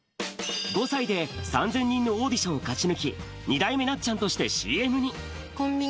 ５歳で３０００人のオーディションを勝ち抜き、２代目なっちゃんとしてＣＭに。